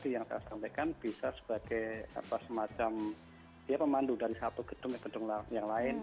yang saya sampaikan bisa sebagai semacam pemandu dari satu gedung ke gedung yang lain